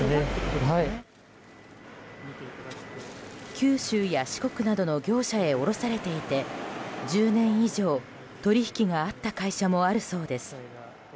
九州や四国などの業者へ卸されていて１０年以上、取引があった会社もあるそうです。